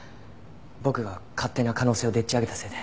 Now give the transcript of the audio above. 僕が勝手な可能性をでっち上げたせいで。